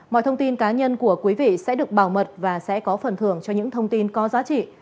mọi thông tin cá nhân của quý vị sẽ được bảo mật và sẽ có phần thưởng cho những thông tin có giá trị